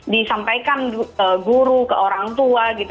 disampaikan guru ke orang tua gitu